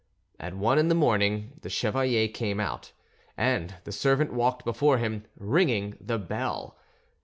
At one in the morning, the chevalier came out, and the servant walked before him, ringing the bell.